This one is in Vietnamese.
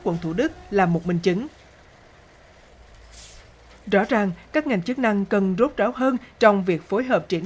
quận thủ đức là một minh chứng rõ ràng các ngành chức năng cần rút ráo hơn trong việc phối hợp triển